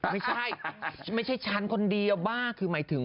ไม่ใช่ใช้ฉันคนเดียวมาก